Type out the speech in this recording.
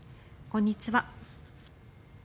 こんにちは。